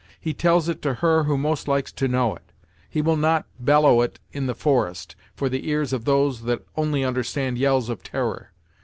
He tells it to her who most likes to know it; he will not bellow it in the forest, for the ears of those that only understand yells of terror.